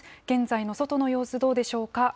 現在の外の様子、どうでしょうか。